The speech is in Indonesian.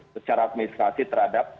secara administrasi terhadap